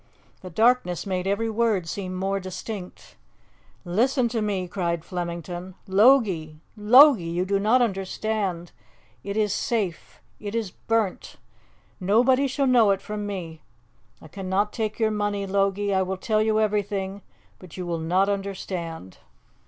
The darkness made every word seem more distinct. "Listen to me!" cried Flemington. "Logie! Logie! you do not understand ... it is safe ... it is burnt! Nobody shall know it from me. ... I cannot take your money, Logie ... I will tell you everything, but you will not understand.